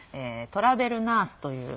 『トラベルナース』という。